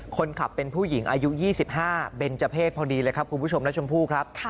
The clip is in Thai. คนขับเป็นผู้หญิงอายุ๒๕เบนเจอร์เพศพอดีเลยครับคุณผู้ชมและชมพู่ครับ